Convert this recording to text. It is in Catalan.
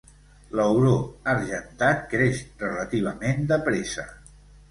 L'auró argentat creix relativament de pressa.